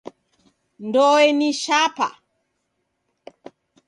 Ndoe ni shapa.